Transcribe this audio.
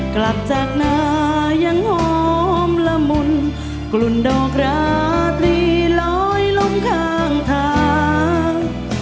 กลับจากนายังหอมละมุนกลุ่นดอกราตรีลอยล้มข้างทาง